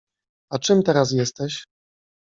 A czym teraz jesteś?